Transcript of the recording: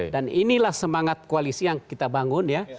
dan inilah semangat koalisi yang kita bangun ya